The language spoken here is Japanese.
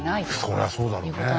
そりゃそうだろうね。